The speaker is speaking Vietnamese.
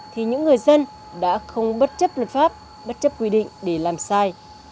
thì những người dân đã không bất chấp luật pháp bất chấp quy định để làm sai